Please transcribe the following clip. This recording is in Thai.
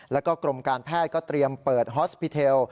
แล้วก็กรมการแพทย์ก็เตรียมเปิดฮอสปิเทล